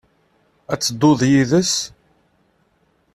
Ad tedduḍ yid-s?